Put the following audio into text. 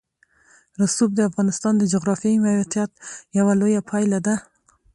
رسوب د افغانستان د جغرافیایي موقیعت یوه لویه پایله ده.